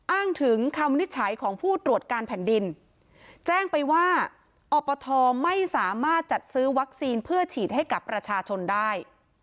อ้างถึงคำวินิจฉัยของผู้ตรวจการแผ่นดินแจ้งไปว่าอปทไม่สามารถจัดซื้อวัคซีนเพื่อฉีดให้กับประชาชนได้